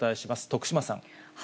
徳島さん。